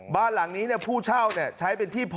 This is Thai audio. บ้านหลังนี้ผู้เช่าใช้เป็นที่พอ